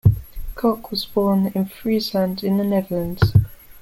Kok was born in Friesland in the Netherlands.